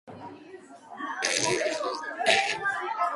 სატრიუმფო თაღი იმპოსტებს ეყრდნობა.